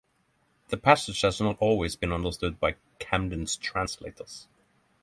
The passage has not always been understood by Camden's translators.